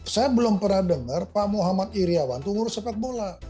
saya belum pernah dengar pak muhammad iryawan itu ngurus sepak bola